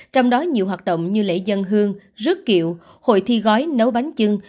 trong đó nhiều hoạt động như lễ dân hương rước kiệu hội thi gói nấu bánh trưng